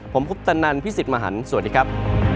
ผมคุปตันนันพี่สิทธิ์มหันฯสวัสดีครับ